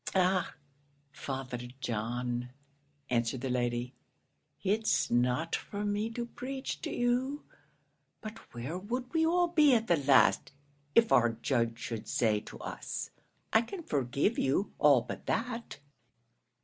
"Ah, Father John," answered the lady; "it's not for me to preach to you; but where would we all be at the last, if our Judge should say to us, 'I can forgive you all but that?'"